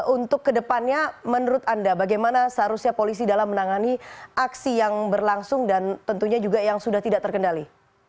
untuk kedepannya menurut anda bagaimana seharusnya polisi dalam menangani aksi yang berlangsung dan tentunya juga yang sudah tidak terkendali